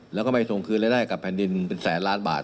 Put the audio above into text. แล้วก็ไม่ส่งคืนรายได้กับแผ่นดินเป็นแสนล้านบาท